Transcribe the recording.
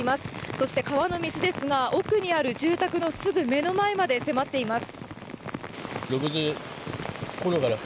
そして川の水ですが奥にある住宅のすぐ目の前まで迫っています。